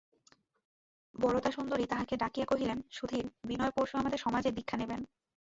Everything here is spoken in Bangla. বরদাসুন্দরী তাহাকে ডাকিয়া কহিলেন, সুধীর, বিনয় পরশু আমাদের সমাজে দীক্ষা নেবেন।